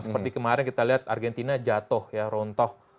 seperti kemarin kita lihat argentina jatuh ya rontoh